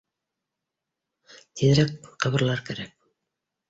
Тиҙерәк ҡыбырлар кәрәк.